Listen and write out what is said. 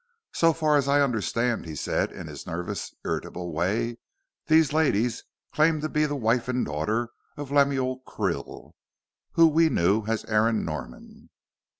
"So far as I understand," he said in his nervous, irritable way, "these ladies claim to be the wife and daughter of Lemuel Krill, whom we knew as Aaron Norman."